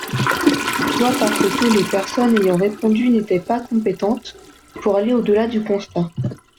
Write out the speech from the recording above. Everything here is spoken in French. Soit parce que les personnes ayant répondu n’étaient pas compétentes pour aller au-delà du constat.